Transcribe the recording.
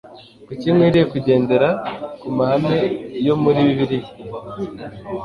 kuki nkwiriye kugendera ku mahame yo muri bibiliya